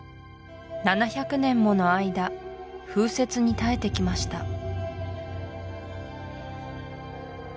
７００年もの間風雪に耐えてきました